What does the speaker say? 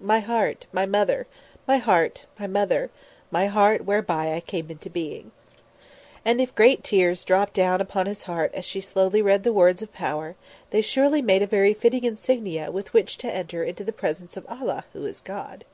"My Heart, my mother; my heart, my mother; my heart whereby I came into being." And if great tears dropped upon his heart as she slowly read "the words of power," they surely made a very fitting insignia with which to enter into the presence of Allah, who is God.